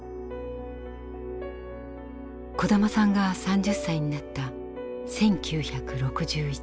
小玉さんが３０歳になった１９６１年。